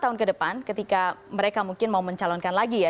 lima tahun ke depan ketika mereka mungkin mau mencalonkan lagi ya